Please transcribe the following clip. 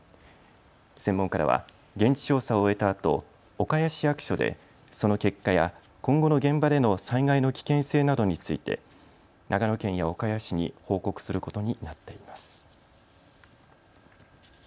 専門家らは現地調査を終えたあと岡谷市役所でその結果や今後の現場での災害の危険性などについて長野県や岡谷市に報告することになっています。